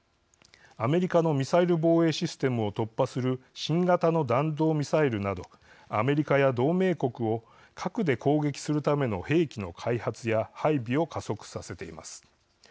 アメリカのミサイル防衛システムを突破する新型の弾道ミサイルなどアメリカや同盟国を核で攻撃するための兵器の開発や配備を加速させています。